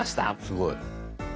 すごい。